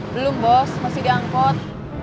belum bos masih di angkot